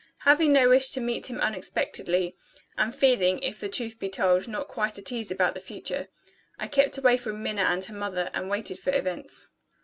Having no wish to meet him unexpectedly, and feeling (if the truth be told) not quite at ease about the future, I kept away from Minna and her mother, and waited for events.